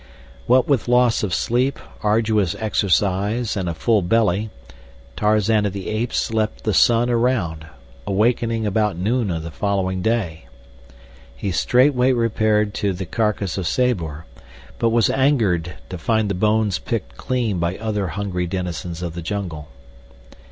What with loss of sleep, arduous exercise, and a full belly, Tarzan of the Apes slept the sun around, awakening about noon of the following day. He straightway repaired to the carcass of Sabor, but was angered to find the bones picked clean by other hungry denizens of the jungle.